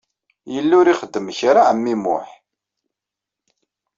Yella ur ixeddem kra ɛemmi Muḥ.